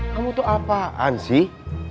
kamu tuh apaan sih